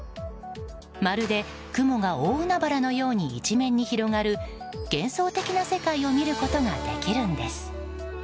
まるで、雲が大海原のように一面に広がる幻想的な世界を見ることができるんです。